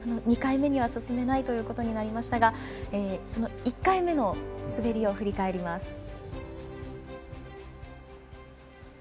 ２回目には進めないということになりましたがその１回目の滑りを振り返ります。